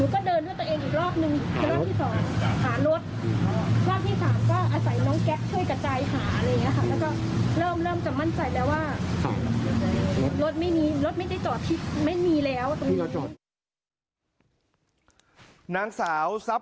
พอกลับมาปุ๊บเห็นรถมาปุ๊บ